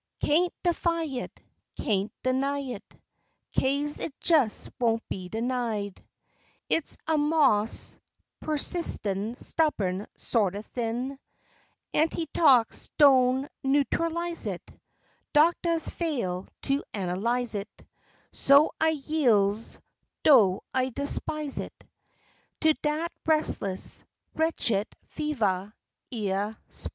Kaint defy it, kaint deny it, Kaze it jes won't be denied; Its a mos' pursistin' stubbern sortah thin'; Anti Tox' doan neutrolize it; Doctahs fail to analyze it; So I yiel's (dough I despise it) To dat res'less, wretchit fevah evah Sprin'.